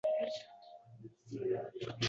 Suydigimning kiprigi uzun –